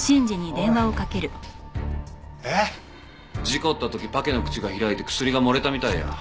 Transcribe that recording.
ええ！？事故った時パケの口が開いて薬が漏れたみたいや。